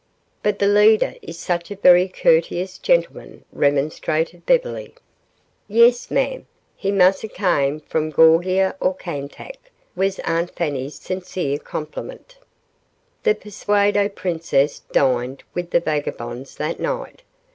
"But the leader is such a very courteous gentleman," remonstrated Beverly. "Yas, ma'am; he mussa came f'm Gawgia or Kaintuck," was Aunt Fanny's sincere compliment. The pseudo princess dined with the vagabonds that night.